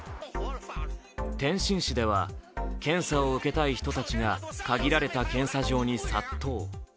天津市では検査を受けたい人たちが限られた検査場に殺到。